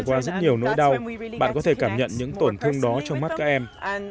và khi các em đã trải nghiệm và qua rất nhiều nỗi đau bạn có thể cảm nhận những tổn thương đó trong mắt các em